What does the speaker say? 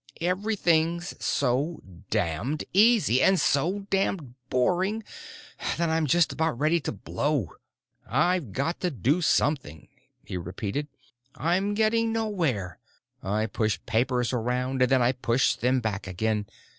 Everything's so damned easy and so damned boring that I'm just about ready to blow! I've got to do something," he repeated. "I'm getting nowhere! I push papers around and then I push them back again.